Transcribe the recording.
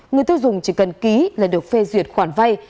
người tiêu dùng chỉ cần ký là được phê duyệt khoản vay